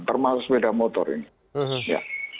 termasuk sepeda motor ini